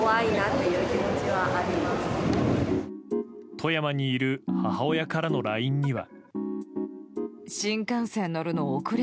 富山にいる母親からのＬＩＮＥには。